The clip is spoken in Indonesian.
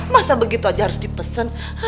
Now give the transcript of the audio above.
masa begitu aja harus dipesan